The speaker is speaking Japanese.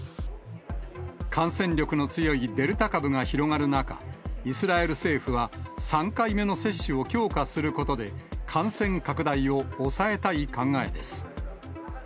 感染力の強いデルタ株が広がる中、イスラエル政府は、３回目の接種を強化することで、感染拡大を抑えたい考えです。